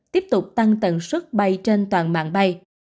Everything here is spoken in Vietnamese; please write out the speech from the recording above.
tiếp tục tăng tần suất bay trên toàn mạng bay